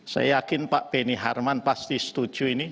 saya yakin pak benny harman pasti setuju ini